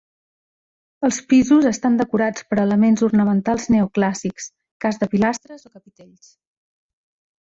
Els pisos estan decorats per elements ornamentals neoclàssics, cas de pilastres o capitells.